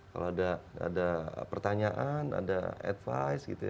kalau ada pertanyaan ada advice